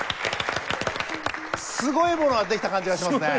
すごいものができた感じがしますね。